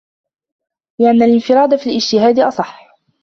لِأَنَّ الِانْفِرَادَ فِي الِاجْتِهَادِ أَصَحُّ